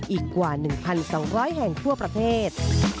อีกกว่า๑๒๐๐แห่งทั่วประเทศ